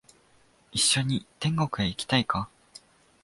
一緒に天国へ行きたいか？